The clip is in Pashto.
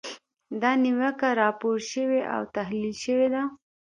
دا نیوکه راپور شوې او تحلیل شوې ده.